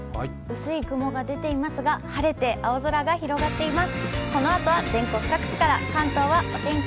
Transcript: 薄い雲が出ていますが、晴れて青空が広がっています。